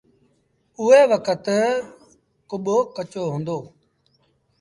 اُئي وکت ڪٻو ڪچو هُݩدو۔